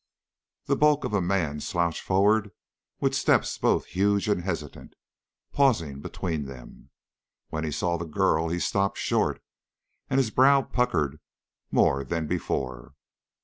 This bulk of a man slouched forward with steps both huge and hesitant, pausing between them. When he saw the girl he stopped short, and his brow puckered more than before.